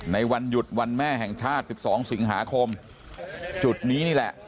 ในวันหยุดวันแม่แห่งชาติ๑๒สิงหาคมจุดนี้นี่แหละ